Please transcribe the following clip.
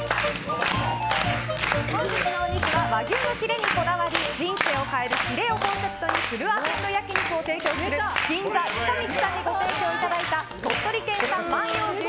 本日のお肉は和牛のヒレにこだわり人生を変えるヒレをコンセプトにフルアテンド焼き肉を提供する銀座ちかみつさんにご提供いただいた鳥取県産万葉牛